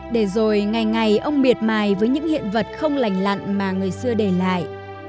để rồi ngày ngày ông miệt mài với những hiện vật không lành lặn mà người xưa để lại